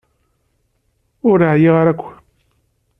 Ur ɛyiɣ ara akk.